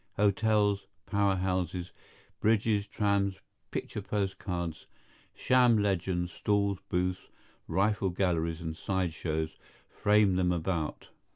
Hotels, powerhouses, bridges, trams, picture post cards, sham legends, stalls, booths, rifle galleries, and side shows frame them about.